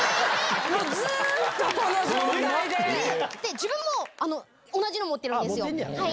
自分も同じの持ってるんですよ。